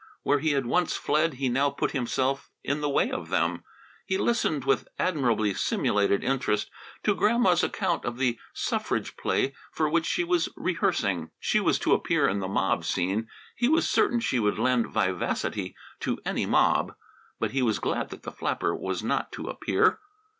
Where he had once fled, he now put himself in the way of them. He listened with admirably simulated interest to Grandma's account of the suffrage play for which she was rehearsing. She was to appear in the mob scene. He was certain she would lend vivacity to any mob. But he was glad that the flapper was not to appear.